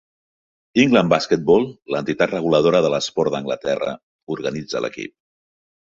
England Basketball, l'entitat reguladora de l'esport d'Anglaterra organitza l'equip.